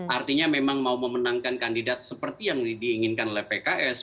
artinya memang mau memenangkan kandidat seperti yang diinginkan oleh pks